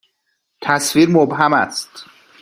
تصویر مبهم است.